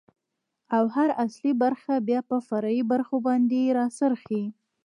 ، او هر اصلي برخه بيا په فرعي برخو باندې را څرخي.